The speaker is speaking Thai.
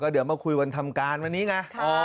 เดี๋ยวมาคุยวันทำการวันนี้ไง